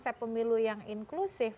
konsep pemilu yang inklusif